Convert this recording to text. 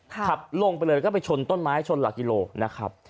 ขับลงไปเลยแล้วก็ไปชนต้นไม้ชนหลักกิโลนะครับ